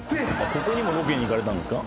ここにも行かれたんですか？